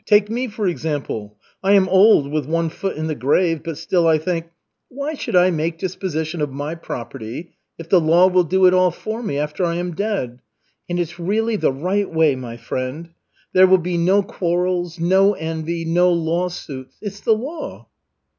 Take me, for example, I am old, with one foot in the grave, but still I think, 'Why should I make disposition of my property if the law will do it all for me, after I am dead?' And it's really the right way, my friend. There will be no quarrels, no envy, no lawsuits. It's the law."